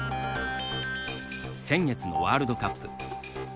先月のワールドカップ。